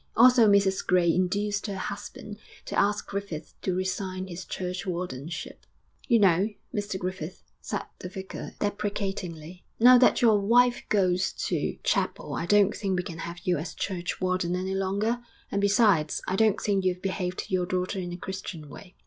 Also Mrs Gray induced her husband to ask Griffith to resign his churchwardenship. 'You know, Mr Griffith,' said the vicar, deprecatingly, 'now that your wife goes to chapel I don't think we can have you as churchwarden any longer; and besides, I don't think you've behaved to your daughter in a Christian way.'